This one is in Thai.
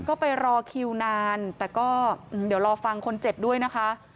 ก็ไปรอคิวนานแต่ก็เดี๋ยวรอฟังคนเจ็บด้วยนะคะ